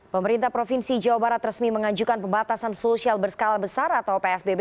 pemerintah provinsi jawa barat resmi mengajukan pembatasan sosial berskala besar atau psbb